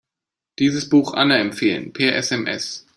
Dieses Buch Anna empfehlen, per SMS.